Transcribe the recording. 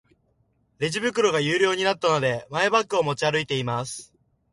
レジ袋が有料になったので、マイバッグを持ち歩いています。